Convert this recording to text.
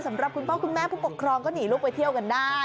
สำหรับคุณพ่อคุณแม่ผู้ปกครองก็หนีลูกไปเที่ยวกันได้